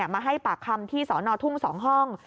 มาให้ปากคำที่สนทรทุ่งสองห้อง